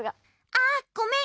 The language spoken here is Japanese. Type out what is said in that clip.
あっごめん。